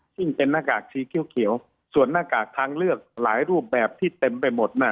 ซึ่งเป็นหน้ากากสีเขียวส่วนหน้ากากทางเลือกหลายรูปแบบที่เต็มไปหมดน่ะ